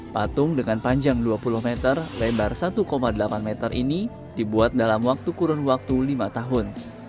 patung dengan panjang dua puluh meter lebar satu delapan meter ini dibuat dalam waktu kurun waktu lima tahun